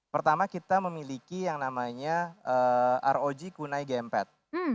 pertama kita memiliki yang namanya rog kunai gampat